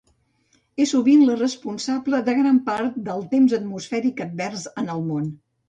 És sovint la responsable de gran part del temps atmosfèric advers en el món.